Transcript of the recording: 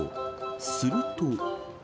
すると。